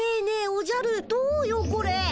おじゃるどうよこれ。